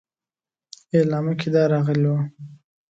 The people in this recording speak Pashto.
اعلامیه کې دا راغلي وه.